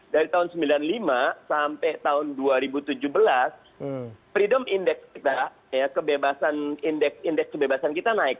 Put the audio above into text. dari tahun seribu sembilan ratus sembilan puluh lima sampai tahun dua ribu tujuh belas freedom index kita kebebasan indeks kebebasan kita naik